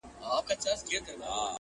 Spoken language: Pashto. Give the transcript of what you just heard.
په ټول ښار کي مي دښمن دا یو قصاب دی!!